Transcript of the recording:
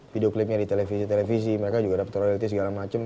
video clip nya di televisi televisi mereka juga dapet royalti segala macem